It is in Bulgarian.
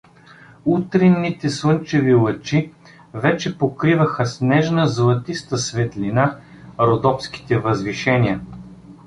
Утринните слънчеви лъчи вече покриваха с нежна златиста светлина родопските възвишения.